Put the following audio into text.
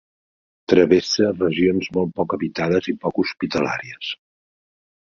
Travessa regions molt poc habitades i poc hospitalàries.